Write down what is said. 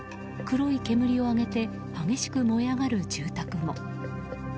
黒い煙を上げて激しく燃え上がる住宅も。